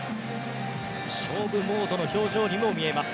勝負モードの表情にも見えます